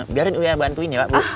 biarin bantuin ya pak